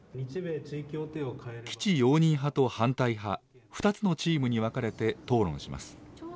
基地容認派と反対派、２つのチームに分かれて討論します。